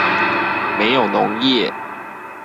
沒有農業